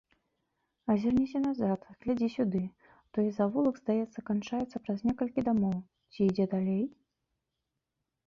Азірніся назад, глядзі сюды, той завулак, здаецца, канчаецца праз некалькі дамоў ці ідзе далей?